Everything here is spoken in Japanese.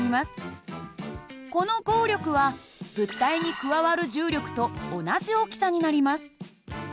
この合力は物体に加わる重力と同じ大きさになります。